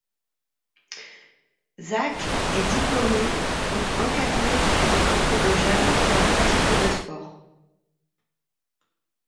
Zach est diplômé pour encadrer de groupes de jeunes pour la pratique de sport.